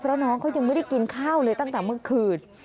เพราะน้องเขายังไม่ได้กินข้าวเลยตั้งแต่เมื่อคืน